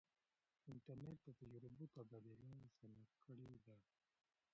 انټرنیټ د تجربو تبادله اسانه کړې ده.